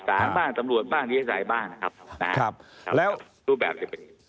สารบ้างสำรวจบ้างดิจัยบ้างนะครับทุกแบบจะเป็น